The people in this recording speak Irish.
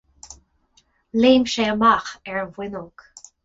Léim sé amach ar an bhfuinneog.